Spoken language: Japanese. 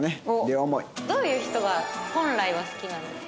どういう人が本来は好きなんですか？